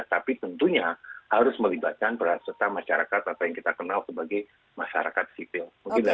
tapi tentunya harus melibatkan peran serta masyarakat atau yang kita kenal sebagai masyarakat sipil